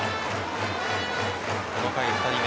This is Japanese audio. この回２人目